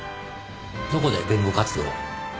どこで弁護活動を？